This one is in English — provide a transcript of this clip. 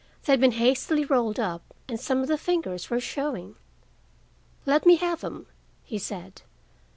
They had been hastily rolled up and some of the fingers were showing. "Let me have them," he said.